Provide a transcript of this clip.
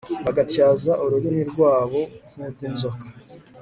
bagatyaza ururimi rwabo nk'urw'inzoka